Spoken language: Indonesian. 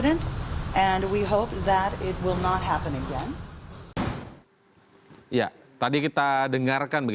dan kami berharap ini tidak akan berulang lagi